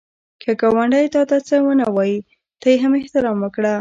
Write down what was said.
که ګاونډی تا ته څه ونه وايي، ته یې هم احترام وکړه